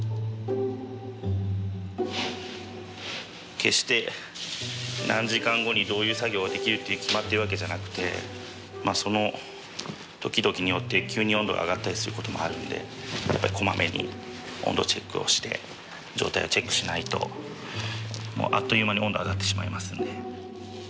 決して何時間後にどういう作業ができるって決まってるわけじゃなくてその時どきによって急に温度が上がったりする事もあるのでこまめに温度チェックをして状態をチェックしないとあっという間に温度が上がってしまいますので。